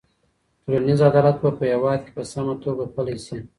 ټولنيز عدالت به په هيواد کي په سمه توګه پلی سي.